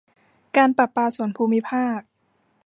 การประปาส่วนภูมิภาค